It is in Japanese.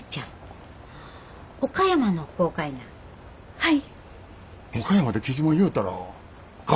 はい。